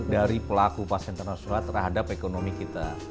dari pelaku pak senter nasrullah terhadap ekonomi kita